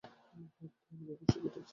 আমার বোধ হয়, আমি যথেষ্ট খেটেছি।